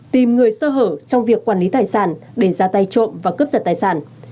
tìm người sơ hở trong việc quản lý tài sản để ra tay trộm và cướp giật tài sản